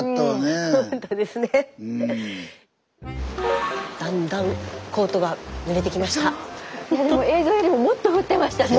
スタジオいやでも映像よりももっと降ってましたね